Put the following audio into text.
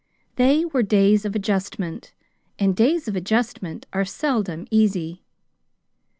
They were days of adjustment; and days of adjustment are seldom easy.